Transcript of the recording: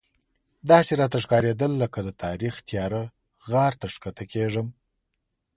داسې راته ښکارېدل لکه د تاریخ تیاره غار ته ښکته کېږم.